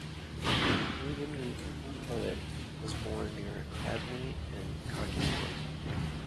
William Newton, poet was born near Abney at Cockey Farm.